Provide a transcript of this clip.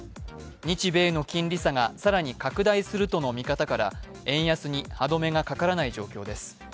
日米の金利差が更に拡大するとの見方から円安に歯止めがかからない状況です。